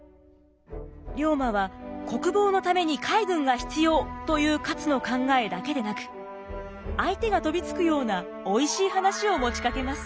龍馬は「国防のために海軍が必要」という勝の考えだけでなく相手が飛びつくようなおいしい話を持ちかけます。